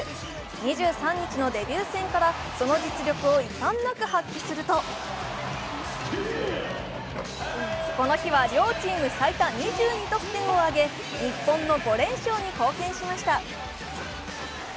２３日のデビュー戦からその実力を遺憾なく発揮するとこの日は両チーム最多２２得点を挙げ日本の５連勝に貢献しました。